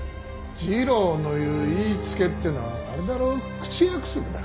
次郎の言う言いつけってのはあれだろ口約束だ。